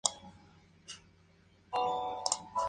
Fue hijo de un general del mismo nombre.